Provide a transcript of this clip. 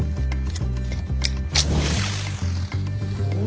お！